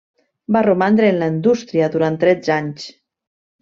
Va romandre en la indústria durant tretze anys.